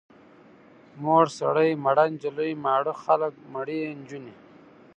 مور سړی، مړه نجلۍ، ماړه خلک، مړې نجونې.